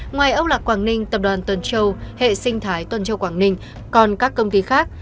ngoài âu lạc quảng ninh tập đoàn tuần châu hệ sinh thái tuần châu quảng ninh còn các công ty khác